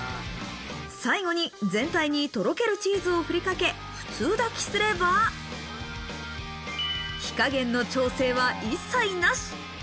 最後に全体にとろけるチーズをふりかけ、普通炊きすれば、火加減の調整は一切なし。